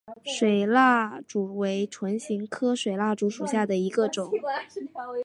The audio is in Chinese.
水蜡烛为唇形科水蜡烛属下的一个种。